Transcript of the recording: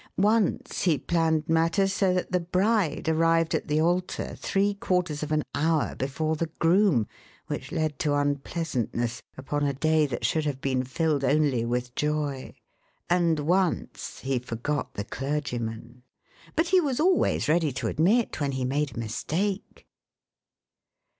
Once he planned matters so that the bride arrived at the altar three quarters of an hour before the groom, which led to unpleasantness upon a day that should have been filled only with joy, and once he forgot the clergyman. But he was always ready to admit when he made a mistake.